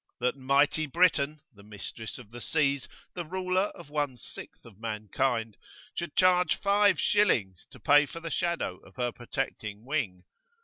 That mighty Britain the mistress of the seas the ruler of one sixth of mankind should charge five shillings to pay for the shadow of her protecting wing!